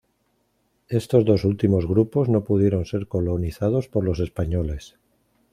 Estos dos últimos grupos no pudieron ser colonizados por los españoles.